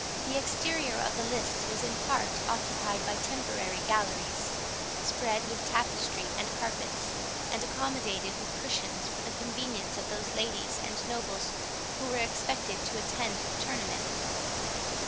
The exterior of the lists was in part occupied by temporary galleries, spread with tapestry and carpets, and accommodated with cushions for the convenience of those ladies and nobles who were expected to attend the tournament.